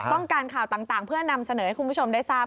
ต้องการข่าวต่างเพื่อนำเสนอให้คุณผู้ชมได้ทราบ